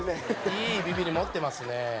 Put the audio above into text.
いいビビリ持ってますね。